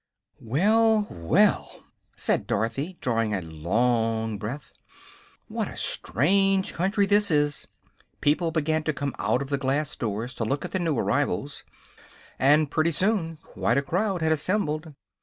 "Well, well!" said Dorothy, drawing a long breath, "What a strange country this is." People began to come out of the glass doors to look at the new arrivals, and pretty soon quite a crowd had assembled.